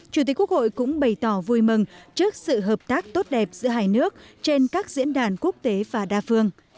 chủ tịch quốc hội cũng bày tỏ vui mừng trước sự hợp tác tốt đẹp giữa hai nước trên các diễn đàn quốc tế và đa phương